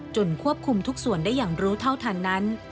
ควบคุมทุกส่วนได้อย่างรู้เท่าทันนั้น